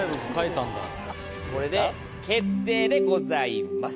これで決定でございます。